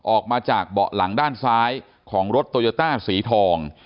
ออกมาจากเบาะหลังด้านซ้ายของรถโตโยต้าสีทอง